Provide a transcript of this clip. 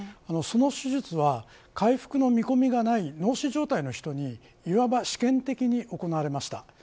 その手術は回復の見込みがない脳死状態の人にいわば試験的に行われました。